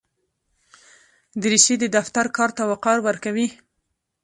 دریشي د دفتر کار ته وقار ورکوي.